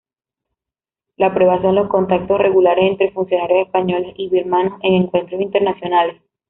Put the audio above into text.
La prueba son los contactos regulares entre funcionarios españoles y birmanos en encuentros internacionales.